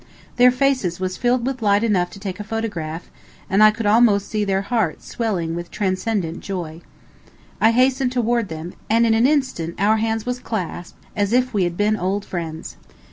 Their faces was filled with light enough to take a photograph, and I could almost see their hearts swelling with transcendent joy. I hastened toward them, and in an instant our hands was clasped as if we had been old friends.